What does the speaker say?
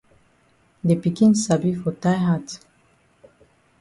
De pikin sabi for tie hat.